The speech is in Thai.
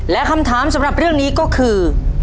และคำถามสำหรับเรื่องนี้ก็คือ